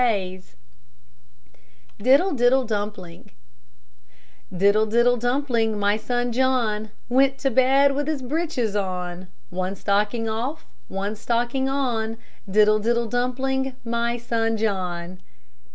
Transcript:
DIDDLE DIDDLE DUMPLING Diddle diddle dumpling, my son John Went to bed with his breeches on, One stocking off, and one stocking on; Diddle diddle dumpling, my son John.